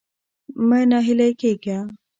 مه ناهيلی کېږه.